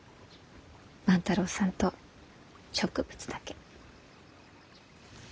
万太郎さんと植物だけ。